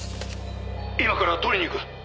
「今から取りに行く！」